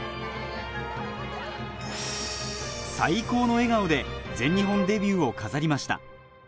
最高の笑顔で全日本デビューを飾りました